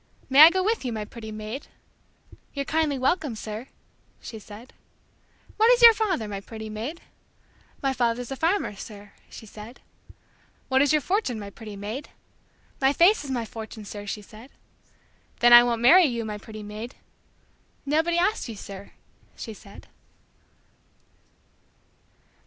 "May I go with you, my pretty maid?" "You're kindly welcome, sir," she said. "What is your father, my pretty maid?" "My father's a farmer, sir," she said. "What is your fortune, my pretty maid?" "My face is my fortune, sir," she said. "Then I won't marry your my pretty maid." "Nobody asked you, sir," she said.